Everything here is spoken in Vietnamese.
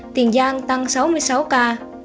tiền giang tăng sáu mươi sáu ca